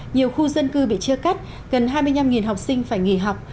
nhiều khu dân cư bị chia cắt gần hai mươi năm học sinh phải nghỉ học